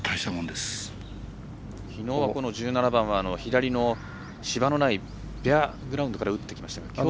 きのうは１７番は左の芝のないフェアグラウンドから打ってきました。